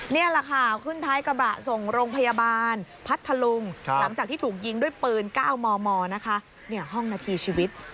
นี่แหละค่ะขึ้นท้ายกระบะส่งโรงพยาบาลพัทธลุงหลังจากที่ถูกยิงด้วยปืน๙มมนะคะห้องนาทีชีวิต